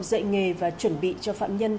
dạy nghề và chuẩn bị cho phạm nhân